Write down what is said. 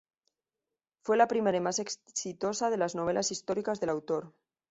Fue la primera y más exitosa de las novelas históricas del autor.